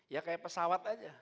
ya kayak pesawat saja